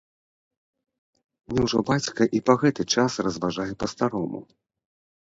Няўжо бацька і па гэты час разважае па-старому?